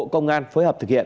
công an phối hợp thử nghiệp